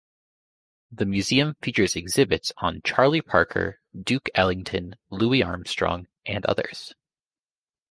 The museum features exhibits on Charlie Parker, Duke Ellington, Louis Armstrong and others.